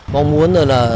mong muốn là